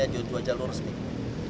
jadi hanya dua jalur sendiri